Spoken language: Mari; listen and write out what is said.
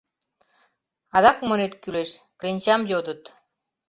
Адак монет кӱлеш: кленчам йодыт...